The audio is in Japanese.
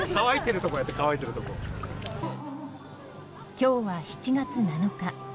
今日は７月７日。